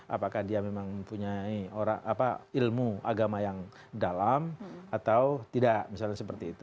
apakah dia memang mempunyai ilmu agama yang dalam atau tidak misalnya seperti itu